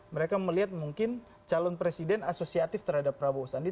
mereka melihat mungkin calon presiden asosiatif terhadap prabowo sandi